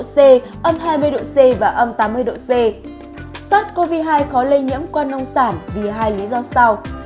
sars cov hai có lây nhiễm qua nông sản vì hai lý do sau